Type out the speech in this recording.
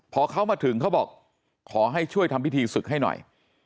พอเขามาถึงเขาบอกขอให้ช่วยทำพิธีศึกให้หน่อย